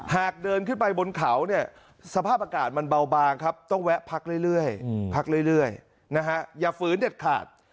หากเดินขึ้นไปบนเขาสภาพอากาศมันเบาบางครับต้องแวะพักเรื่อยอย่าฝืนเด็ดขาด